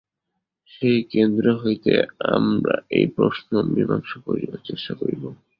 সেই কেন্দ্র হইতে আমরা এই প্রশ্ন মীমাংসা করিবার চেষ্টা করিব।